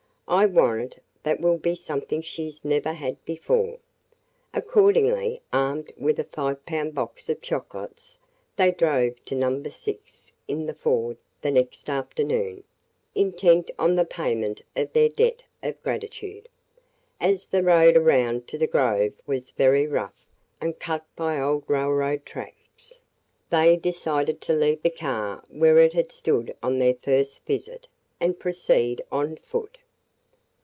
I warrant that will be something she 's never had before!" Accordingly, armed with a five pound box of chocolates, they drove to Number Six in the Ford the next afternoon, intent on the payment of their debt of gratitude. As the road around to the grove was very rough and cut by old railroad tracks, they decided to leave the car where it had stood on their first visit and proceed on foot.